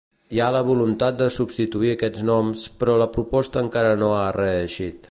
Hi ha la voluntat de substituir aquests noms, però la proposta encara no ha reeixit.